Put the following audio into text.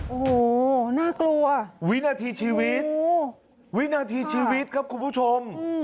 โอ้โหน่ากลัววินาทีชีวิตวินาทีชีวิตครับคุณผู้ชม